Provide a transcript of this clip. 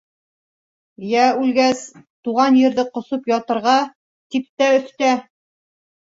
— Йә үлгәс, тыуған ерҙе ҡосоп ятырға, тип тә өҫтә.